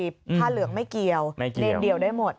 ผ้าเหลืองไม่เกี่ยวเลนเดียวได้หมด